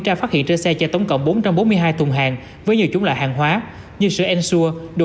tra phát hiện trên xe chở tổng cộng bốn trăm bốn mươi hai thùng hàng với nhiều chủng loại hàng hóa như sữa ensur đồ